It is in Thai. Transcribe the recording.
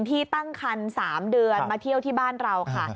ที่ตั้งคัน๓เดือนมาเที่ยวที่บ้านเราค่ะ